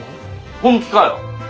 本気かよ？